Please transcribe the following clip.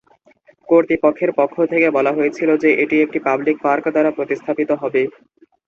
কর্তৃপক্ষের পক্ষ থেকে বলা হয়েছিল যে এটি একটি পাবলিক পার্ক দ্বারা প্রতিস্থাপিত করা হবে।